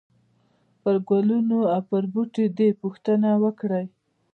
پرګلونو او پر بوټو دي، پوښتنه وکړئ !!!